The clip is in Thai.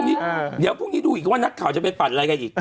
เดี๋ยวพรุ่งนี้ดูอีกว่านักข่าวจะไปปั่นอะไรกันอีก